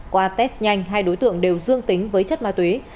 qua test nhanh hai đối tượng đều dương tính với chất ma túy